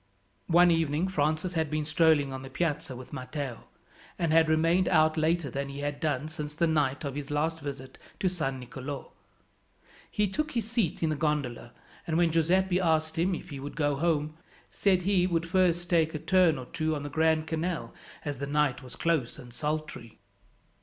One evening Francis had been strolling on the Piazza with Matteo, and had remained out later than he had done since the night of his last visit to San Nicolo. He took his seat in the gondola, and when Giuseppi asked him if he would go home, said he would first take a turn or two on the Grand Canal as the night was close and sultry.